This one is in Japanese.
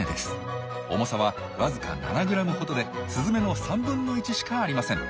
重さはわずか７ｇほどでスズメの３分の１しかありません。